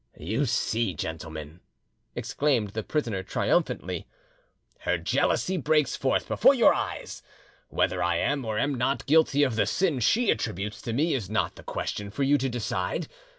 "You see, gentlemen," exclaimed the prisoner triumphantly, "her jealousy breaks forth before your eyes. Whether I am, or am not, guilty of the sin she attributes to me, is not the question for you to decide.